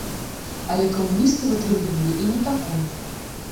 Але камуністы вытрымлівалі і не такое.